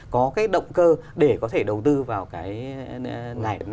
có cái động cơ để có thể đầu tư vào cái ngày nào